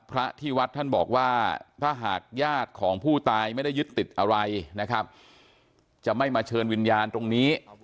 พระที่วัดท่านบอกว่าถ้าหากญาติของผู้ตายไม่ได้ยึดติดอะไรนะครับจะไม่มาเชิญวิญญาณตรงนี้